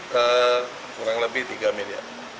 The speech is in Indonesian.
kurang lebih tiga miliar